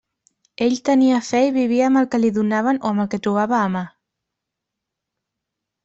Ell tenia fe i vivia amb el que li donaven o amb el que trobava a mà.